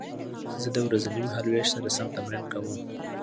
زه د ورځني مهالوېش سره سم تمرین کوم.